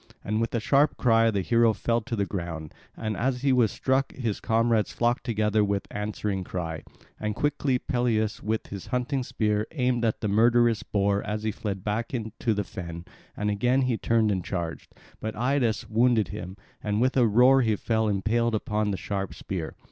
And with a sharp cry the hero fell to the ground; and as he was struck his comrades flocked together with answering cry. And quickly Peleus with his hunting spear aimed at the murderous boar as he fled back into the fen; and again he turned and charged; but Idas wounded him, and with a roar he fell impaled upon the sharp spear.